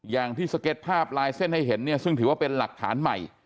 อย่างที่สเก็ตภาพลายเส้นให้เห็นเนี่ยซึ่งถือว่าเป็นหลักฐานใหม่